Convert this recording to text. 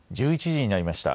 １１時になりました。